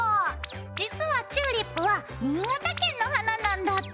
実はチューリップは新潟県の花なんだって。